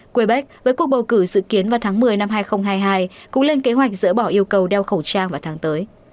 quebec với cuộc bầu cử dự kiến vào tháng một mươi năm hai nghìn hai mươi hai cũng lên kế hoạch dỡ bỏ yêu cầu đeo khẩu trang vào tháng tới